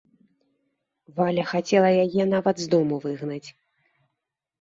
Валя хацела яе нават з дому выгнаць.